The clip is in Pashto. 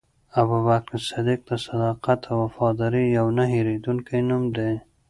ابوبکر صدیق د صداقت او وفادارۍ یو نه هېرېدونکی نوم دی.